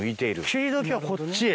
切り時はこっち。